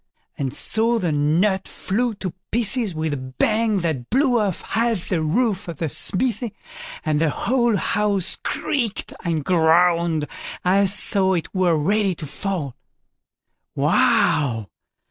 And so the nut flew to pieces with a bang that blew off half the roof of the smithy, and the whole house creaked and groaned as though it were ready to fall. "Why!